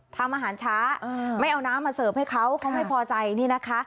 ทำอาหารช้าไม่เอาน้ำมาเสิร์ฟให้เขาเขาไม่พอใจนี่นะคะ